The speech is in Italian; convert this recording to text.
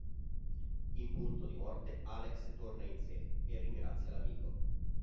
In punto di morte, Alex torna in sé e ringrazia l'amico.